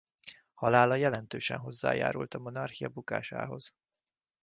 Halála jelentősen hozzájárult a monarchia bukásához.